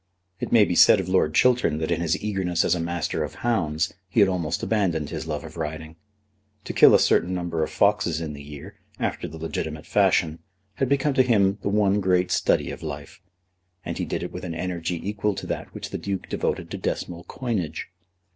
It may be said of Lord Chiltern that in his eagerness as a master of hounds he had almost abandoned his love of riding. To kill a certain number of foxes in the year, after the legitimate fashion, had become to him the one great study of life; and he did it with an energy equal to that which the Duke devoted to decimal coinage.